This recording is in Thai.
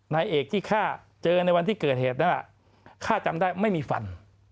นายเอกที่ฆ่าเจอในวันที่เกิดเหตุนั้นฆ่าจำได้ไม่มีฟัน